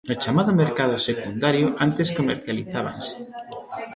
No chamado mercado secundario antes comercializábanse.